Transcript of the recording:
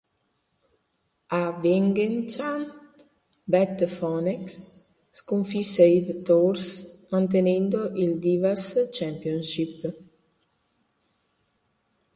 A Vengeance, Beth Phoenix sconfisse Eve Torres mantenendo il Divas Championship.